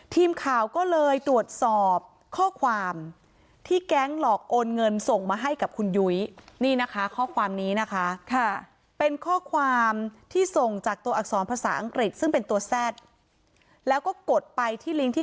ทีมข่าวก็เลยตรวจสอบข้อความที่แก๊งหลอกโอนเงินส่งมาให้